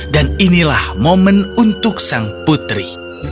dan inilah momen untuk sang putri